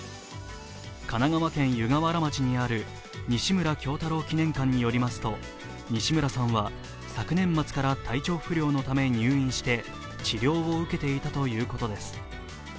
神奈川県湯河原町にある西村京太郎記念館によりますと西村さんは昨年末から体調不良のため入院して治療を受けていたということです。